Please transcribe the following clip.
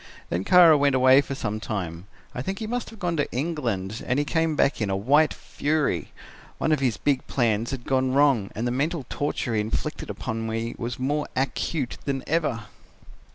Then Kara went away for some time. I think he must have gone to England, and he came back in a white fury. One of his big plans had gone wrong and the mental torture he inflicted upon me was more acute than ever.